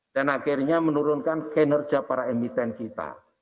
dan akhirnya menurunkan kinerja para emiten kita